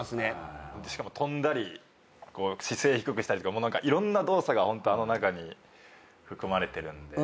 しかも跳んだり姿勢低くしたりとかいろんな動作がホントあの中に含まれてるんで。